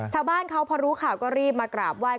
ชาวบ้านเขาพอรู้ข่าวก็รีบมากราบไห้